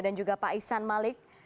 dan juga pak isan malik